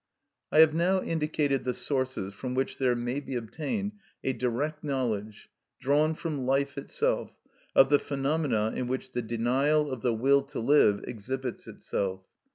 I have now indicated the sources from which there may be obtained a direct knowledge, drawn from life itself, of the phenomena in which the denial of the will to live exhibits itself.